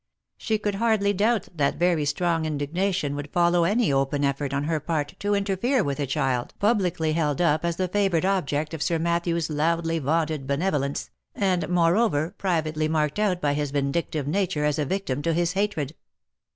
She could hardly doubt that very strong indignation would follow any open effort on her part to interfere with a child publicly held up as the favoured object of Sir Matthew's loudly vaunted benevolence, and moreover, privately marked out by his vindictive nature as a victim to his hatred.